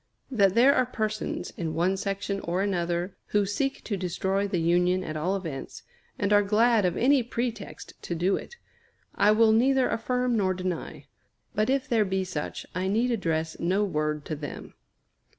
That there are persons, in one section or another, who seek to destroy the Union at all events, and are glad of any pretext to do it, I will neither affirm nor deny. But if there be such, I need address no word to them.